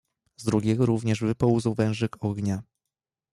"Z drugiego również wypełzł wężyk ognia."